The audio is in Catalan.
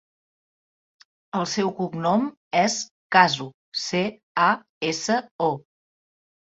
El seu cognom és Caso: ce, a, essa, o.